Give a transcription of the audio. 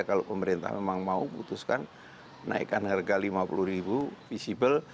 kalau pemerintah memang mau putuskan naikkan harga rp lima puluh visible